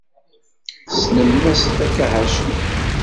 Tessnem Mass Takahashi?